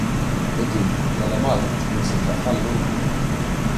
U din, l-Enemalta qed tikkunsidraha llum?